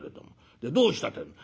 でどうしたってえんだ」。